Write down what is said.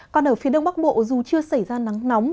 còn ở phía đông bắc bộ dù chưa xảy ra nắng nóng